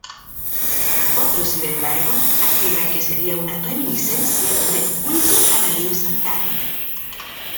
Otros sin embargo, afirman que sería una reminiscencia del culto a la diosa Tanit.